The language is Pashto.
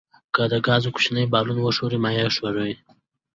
که د ګاز کوچنی بالون وښوروئ مایع ښوریږي.